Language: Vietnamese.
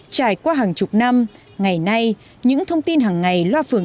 trải qua hàng chục năm ngày nay những thông tin hàng ngày